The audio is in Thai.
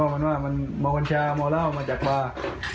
มาวันชามาวเหล้ามาจากบาร์